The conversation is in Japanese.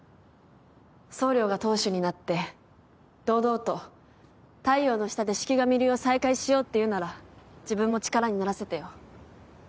総領が当主になって堂々と太陽の下で四鬼神流を再開しようっていうなら自分も力にならせてよ。